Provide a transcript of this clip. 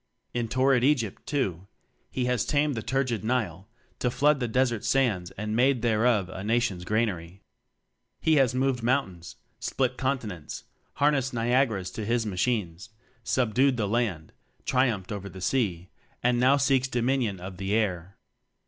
In torrid Egypt, too, he has tamed the turgid Nile to flood the desert sands and made thereof a nation's granary. He has moved mountains, split" continents, harnessed Niagaras to his machines; subdued the land, triumph ed over the sea, and now seeks do minion of the air.